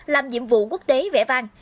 làm nhiệm vụ quốc tế vẽ vang